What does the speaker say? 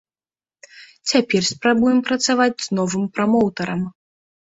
Цяпер спрабуем працаваць з новым прамоўтарам.